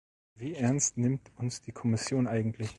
Wie ernst nimmt uns die Kommission eigentlich?